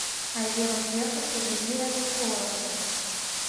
Айдемын кӧргыштыжӧ пире ден шорык улыт...